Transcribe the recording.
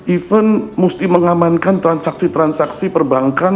event musti mengamankan transaksi transaksi perbankan